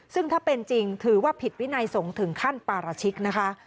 ซึ่งถ้าเป็นจริงถือว่าผิดวินัยสงฆ์ถึงขั้นปาราชิกนะคะ